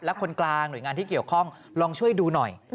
และคนกลางหน่วยงานที่เกี่ยวข้องลองช่วยดูหน่อย